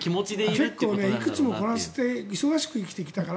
結構、いくつもこなして忙しく生きてきたから。